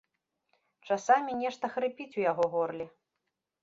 Часамі нешта хрыпіць у яго горле.